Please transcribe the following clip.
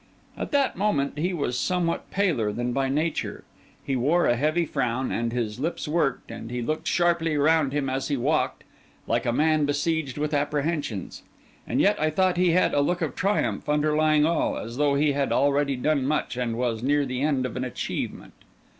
At that moment he was somewhat paler than by nature; he wore a heavy frown; and his lips worked, and he looked sharply round him as he walked, like a man besieged with apprehensions. And yet I thought he had a look of triumph underlying all, as though he had already done much, and was near the end of an achievement.